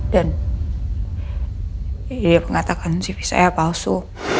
dan dia mengatakan cv saya palsu